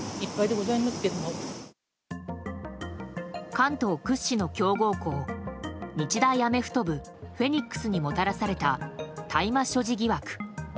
関東屈指の強豪校日大アメフト部、フェニックスにもたらされた大麻所持疑惑。